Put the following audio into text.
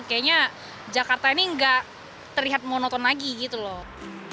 kayaknya jakarta ini gak terlihat monoton lagi gitu loh